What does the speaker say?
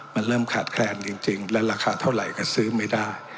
มันเริ่มขาดแคลนจริงและราคาเท่าไหร่ก็ซื้อไม่ได้